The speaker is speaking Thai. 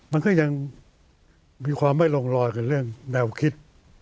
มันก็ยังมีความไม่ลงรอยกันเรื่องแนวคิด